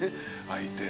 相手。